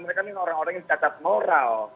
mereka kan orang orang yang cacat moral